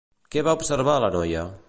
Què va observar la noia?